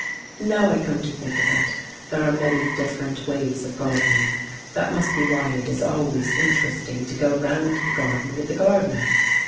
Now I come to think of it, there are many different ways of gardening; that must be why it is always interesting to go round the garden with the gardener.